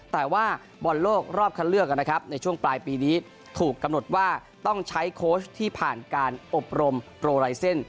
แต่ว่าบอลโลกรอบคันเลือกนะครับในช่วงปลายปีนี้ถูกกำหนดว่าต้องใช้โค้ชที่ผ่านการอบรมโปรไลเซ็นต์